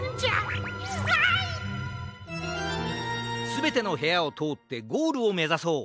すべてのへやをとおってゴールをめざそう！